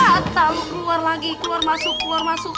mata lu keluar lagi keluar masuk keluar masuk